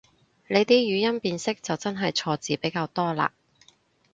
你啲語音辨識就真係錯字比較多嘞